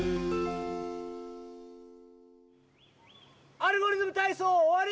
「アルゴリズムたいそう」おわり！